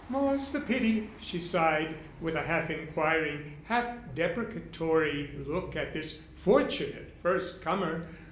"More's the pity," she sighed, with a half inquiring, half deprecatory look at this fortunate first comer.